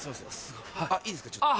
いいですかちょっと。